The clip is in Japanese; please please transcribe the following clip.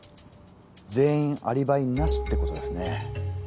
全員アリバイなしってことですね。